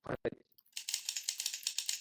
অবশেষে পিট নিজেকে শেষ করে দিয়েছে।